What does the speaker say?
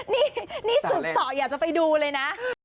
นี่สุดสดอยากจะไปดูเลยนะ